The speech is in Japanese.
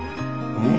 うん？